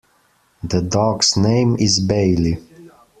The dog's name is Bailey.